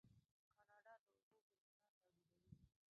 کاناډا د اوبو بریښنا تولیدوي.